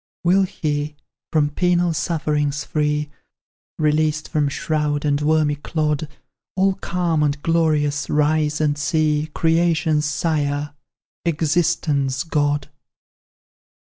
"Will he, from penal sufferings free, Released from shroud and wormy clod, All calm and glorious, rise and see Creation's Sire Existence' God?